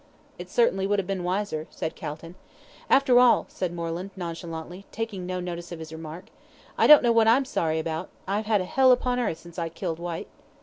"It certainly would have been wiser," said Calton. "After all," said Moreland, nonchalantly, taking no notice of his remark, "I don't know that I'm sorry about it. I've had a hell upon earth since I killed Whyte."